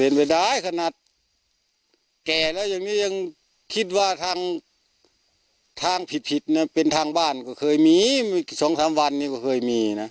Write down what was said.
เป็นไปได้ขนาดแก่แล้วอย่างนี้ยังคิดว่าทางผิดเป็นทางบ้านก็เคยมี๒๓วันก็เคยมีนะ